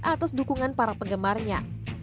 atas dukungan para penggemarnya